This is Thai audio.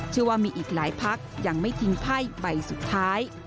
ว่ามีอีกหลายพักยังไม่ทิ้งไพ่ใบสุดท้าย